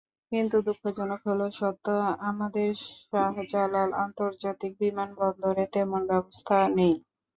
কিন্তু দুঃখজনক হলেও সত্য, আমাদের শাহজালাল আন্তর্জাতিক বিমানবন্দরে তেমন ব্যবস্থা নেই।